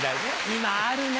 今あるね